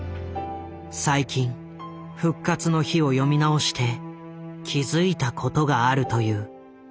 最近「復活の日」を読み直して気付いたことがあるという。